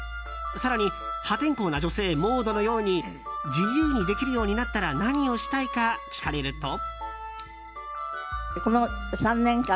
更に破天荒な女性モードのように自由にできるようになったら何をしたいか聞かれると。